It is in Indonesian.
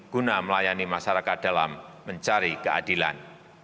guna melayani masyarakat dalam mencari keadilan